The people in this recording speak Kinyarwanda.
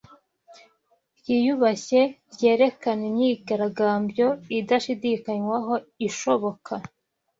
ryiyubashye ryerekana imyigaragambyo "idashidikanywaho" ishoboka